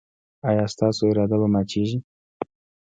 ایا ستاسو اراده به ماتیږي؟